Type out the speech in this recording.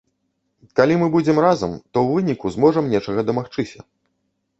Калі мы будзем разам, то ў выніку зможам нечага дамагчыся.